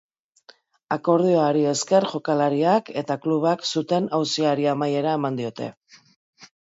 Akordioari esker, jokalariak eta klubak zuten auziari amaiera eman diote.